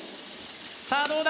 さあどうだ？